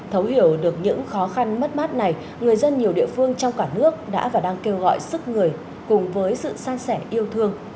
thấu hiểu được những khó khăn mất mát này người dân nhiều địa phương trong cả nước đã và đang kêu gọi sức người cùng với sự san sẻ yêu thương